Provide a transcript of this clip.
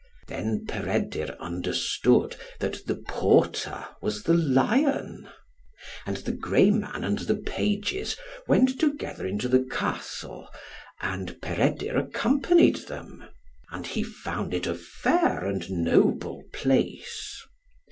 Then Peredur understood that the porter was the lion. And the grey man and the pages went together into the Castle, and Peredur accompanied them; and he found it a fair and noble place.